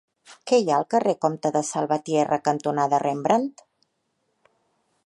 Què hi ha al carrer Comte de Salvatierra cantonada Rembrandt?